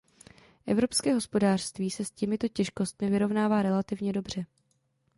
Evropské hospodářství se s těmito těžkostmi vyrovnává relativně dobře.